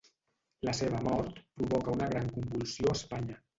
La seva mort provoca una gran convulsió a Espanya.